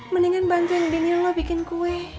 mendingan banjang bininya lo bikin kue